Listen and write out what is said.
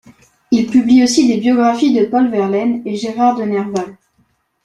Il publie aussi des biographies de Paul Verlaine et Gérard de Nerval.